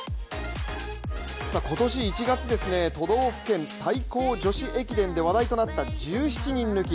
今年１月、都道府県対抗女子駅伝で話題となった１７人抜き。